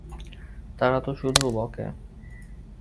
তারা তো শুধু বকে।